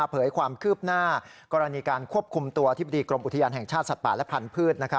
เผยความคืบหน้ากรณีการควบคุมตัวอธิบดีกรมอุทยานแห่งชาติสัตว์ป่าและพันธุ์